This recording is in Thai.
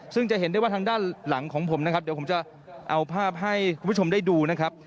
ซึ่งจะเห็นได้ว่าทางด้านหลังของผมนะครับเดี๋ยวผมจะเอาภาพให้คุณผู้ชมได้ดูนะครับ